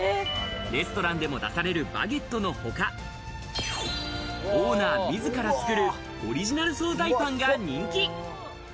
レストランでも出されるバゲットのほか、オーナーみずから作る、オリジナル惣菜パンが人気。